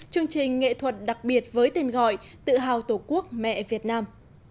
chương trình nghệ thuật đặc biệt với tên gọi tự hào tổ quốc mẹ việt nam